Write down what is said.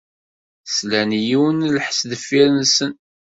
Slan i yiwen n lḥess deffir-sen.